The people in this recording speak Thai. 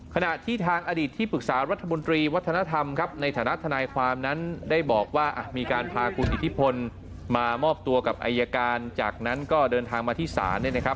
ขณะที่ทางอดีตที่ปรึกษารัฐมนตรีวัฒนธรรมครับในฐานะทนายความนั้นได้บอกว่ามีการพาคุณอิทธิพลมามอบตัวกับอายการจากนั้นก็เดินทางมาที่ศาลเนี่ยนะครับ